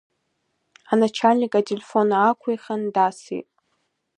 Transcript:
Аначальник ателефон аақәихын дасит.